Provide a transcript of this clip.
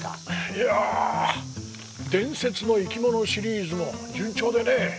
いや「伝説の生き物」シリーズも順調でね